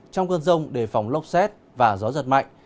trong cơn rông đề phòng lốc xét và gió giật mạnh